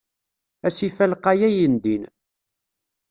Asif-a lqay ayendin.